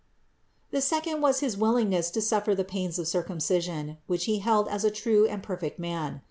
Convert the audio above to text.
The second was his willingness to suffer the pains of circumcision, which He felt as a true and perfect man.